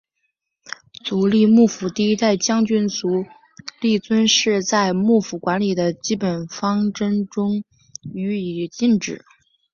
足利幕府第一代将军足利尊氏在幕府管理的基本方针中予以禁止。